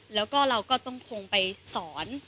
แล้วก็เราก็ต้องคงไปสอน